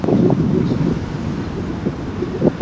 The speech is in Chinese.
古典拉丁语。